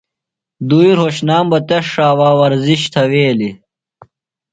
دُوئی روھوتشنام بہ تس ݜاوا ورزِش تھویلیۡ۔